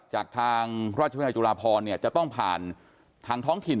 จากทางราชวิทยาลจุฬาพรจะต้องผ่านทางท้องถิ่น